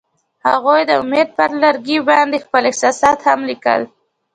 هغوی د امید پر لرګي باندې خپل احساسات هم لیکل.